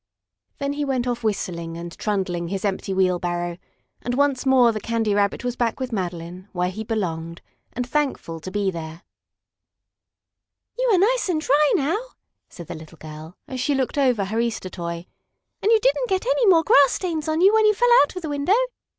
Then he went off whistling and trundling his empty wheelbarrow, and once more the Candy Rabbit was back with Madeline, where he belonged, and thankful to be there. "You are nice and dry now," said the little girl, as she looked over her Easter toy. "And you didn't get any more grass stains on you when you fell out of the window.